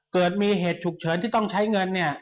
เกิดเหตุมีเหตุฉุกเฉินที่ต้องใช้เงินเนี่ย